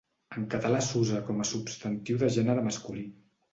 En català s'usa com a substantiu de gènere masculí.